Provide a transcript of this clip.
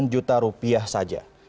enam puluh sembilan juta rupiah saja